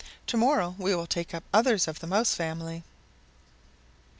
To morrow we will take up others of the Mouse family."